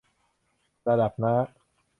ระดับน้า